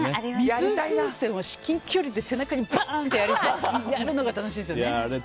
水風船は至近距離で背中にバン！ってやるのが楽しいんですよね。